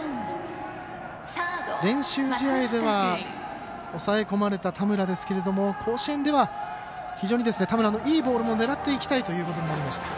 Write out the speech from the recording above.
練習試合では、抑え込まれた田村ですけれども甲子園では非常に田村のいいボールも狙っていきたいという話がありました。